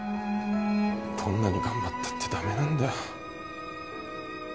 どんなに頑張ったって駄目なんだよ。